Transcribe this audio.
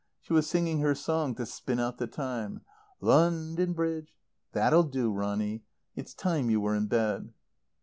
She was singing her sons to spin out the time. "'London Bridge '" "That'll do, Ronny, it's time you were in bed."